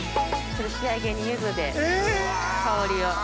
仕上げに柚子で香りを。